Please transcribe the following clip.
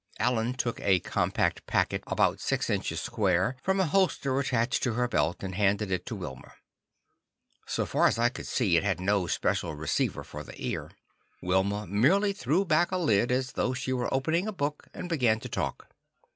Alan took a compact packet about six inches square from a holster attached to her belt and handed it to Wilma. So far as I could see, it had no special receiver for the ear. Wilma merely threw back a lid, as though she were opening a book, and began to talk.